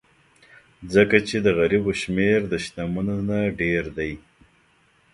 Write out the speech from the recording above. ځکه چې د غریبو شمېر د شتمنو نه ډېر دی.